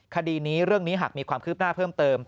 คดีนี้เรื่องนี้หากมีความคืบหน้าเพิ่มเติม